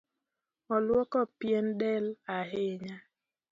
Oluoko pien del ahinya.